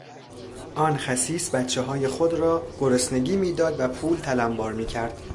آن خسیس بچههای خود را گرسنگی میداد و پول تلنبار می کرد.